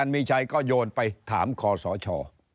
มีชัยก็โยนไปถามคอสช